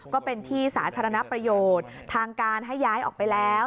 ก็เป็นที่สาธารณประโยชน์ทางการให้ย้ายออกไปแล้ว